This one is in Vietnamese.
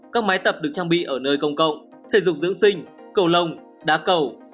các máy tập được trang bị ở nơi công cộng thể dục dưỡng sinh cầu lông đá cầu